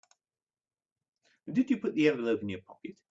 And did you put the envelope in your pocket?